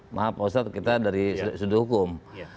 maaf ustaz kita dari sudut hukum